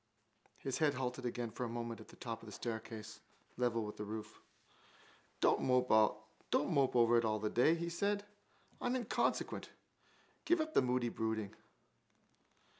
His head halted again for a moment at the top of the staircase, level with the roof: —Don't mope over it all day, he said. I'm inconsequent. Give up the moody brooding.